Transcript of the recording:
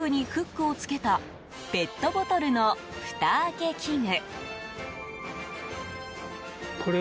ゴム製のリングにフックをつけたペットボトルのふた開け器具。